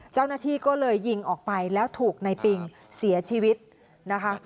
เจ้าหน้าที่ก็เลยยิงออกไปแล้วถูกในปิงเสียชีวิตนะคะ